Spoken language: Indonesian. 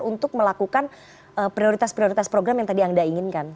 untuk melakukan prioritas prioritas program yang tadi anda inginkan